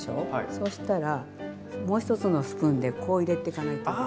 そうしたらもう一つのスプーンでこう入れていかないといけない。